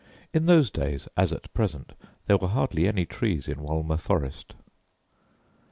In those days, as at present, there were hardly any trees in Wolmer forest.